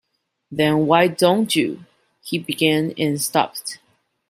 "Then why don't you —?" he began, and stopped.